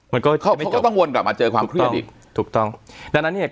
มันก็จะต้องวนกลับมาเจอความเครียดอีกถูกต้องดังนั้นเนี่ย